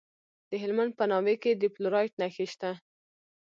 د هلمند په ناوې کې د فلورایټ نښې شته.